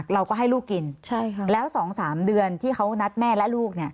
เราก็ให้ลูกกินแล้ว๒๓เดือนที่เขานัดแม่และลูก